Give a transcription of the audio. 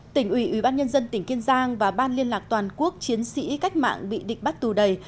tỉnh ủy ủy ban nhân dân tỉnh kiên giang và ban liên lạc toàn quốc chiến sĩ cách mạng bị địch bắt tù đầy